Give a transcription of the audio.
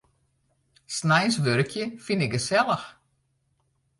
Sneins wurkje fyn ik gesellich.